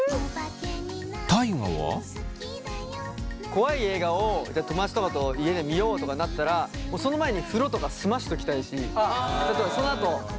怖い映画を友達とかと家で見ようとかなったらその前に風呂とか済ませておきたいしそのあと。